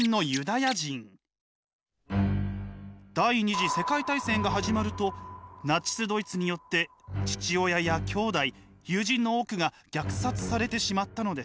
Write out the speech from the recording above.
第２次世界大戦が始まるとナチスドイツによって父親やきょうだい友人の多くが虐殺されてしまったのです。